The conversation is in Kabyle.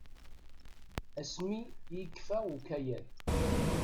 Asmi i yekfa ukayad.